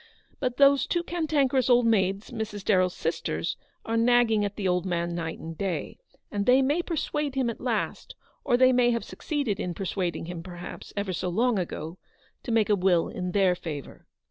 But those two cantankerous old maids, Mrs. DarrelFs sisters, are nagging at the old man night and day, and they may persuade him at last, or they may have succeeded in per suading him, perhaps, ever so long ago, to make a will in their favour.